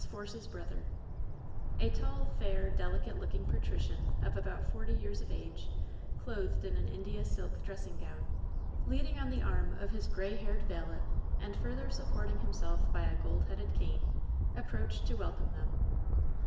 force's BBOTHEB A TALL, fair, delicate looking patrician of about forty years of age, clothed in an India silk dressing gown, leaning on the arm of his gray haired valet, and further supporting himself by a gold headed cane, approached to welcome them.